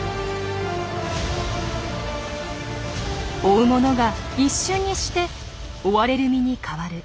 追う者が一瞬にして追われる身に変わる。